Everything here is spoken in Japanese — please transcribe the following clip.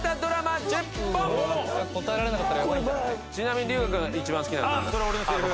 ちなみに。